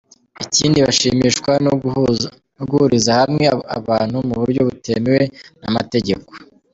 Ikindi bashinjwa ni uguhuriza hamwe abantu mu buryo butemewe n’amategeko.